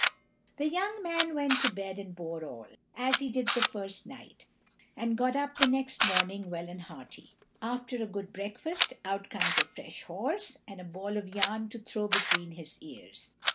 The young man went to bed and bore all, as he did the first night, and got up the next morning well and hearty. After a good breakfast out comes a fresh horse, and a ball of yarn to throw between his ears.